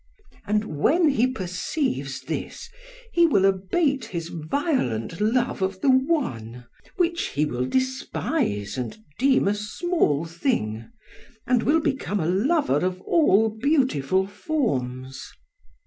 And when he perceives this he will abate his violent love of the one, which he will despise and deem a small thing, and will become a lover of all beautiful forms.